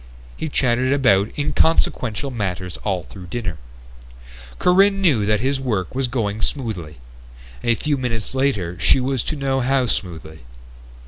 He chattered about inconsequential matters all through dinner. Corinne knew that his work was going smoothly. A few minutes later she was to know how smoothly.